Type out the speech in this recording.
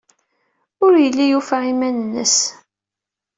Ur yelli yufa iman-nnes.